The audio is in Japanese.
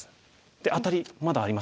でアタリまだありますね。